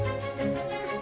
itu ada lagi